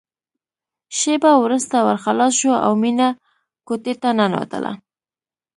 شېبه وروسته ور خلاص شو او مينه کوټې ته ننوتله